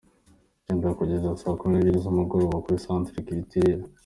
cyenda kugeza saa kumi nebyiri zumugoroba kuri Centre Culturel.